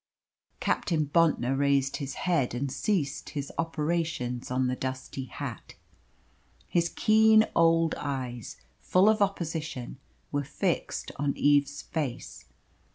Captain Bontnor raised his head and ceased his operations on the dusty hat. His keen old eyes, full of opposition, were fixed on Eve's face.